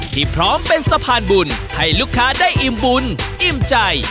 พร้อมเป็นสะพานบุญให้ลูกค้าได้อิ่มบุญอิ่มใจ